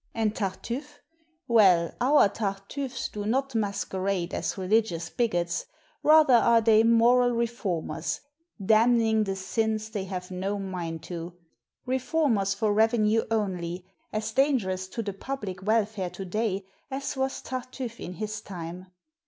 And Tartuffe? Well, our Tartuffes do not masquerade as religious 224 THE MODERNITY OF MOLIERE bigots, rather are they moral reformers, "damn ing the sins they have no mind to," reformers for revenue only, as dangerous to the public welfare today as was Tartuffe in his time.